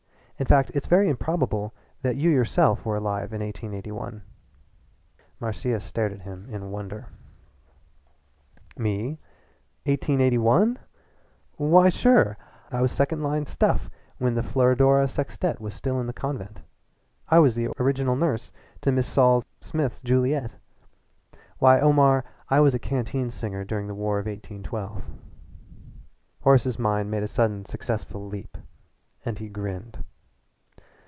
In fact, I think it very improbable that you yourself were alive in 1881." Marcia stared at him in wonder. "Me 1881? Why sure! I was second line stuff when the Florodora Sextette was still in the convent. I was the original nurse to Mrs. Sol Smith's Juliette. Why, Omar, I was a canteen singer during the War of 1812." Horace's mind made a sudden successful leap, and he grinned.